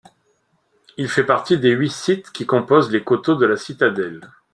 Il fait partie des huit sites qui composent les Coteaux de la Citadelle.